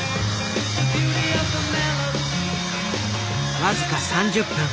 僅か３０分。